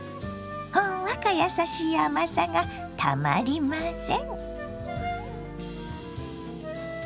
ほんわかやさしい甘さがたまりません。